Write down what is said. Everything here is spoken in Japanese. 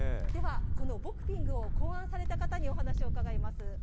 では、このボクピングを考案された方にお話を伺います。